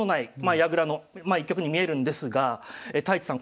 矢倉の一局に見えるんですが太地さん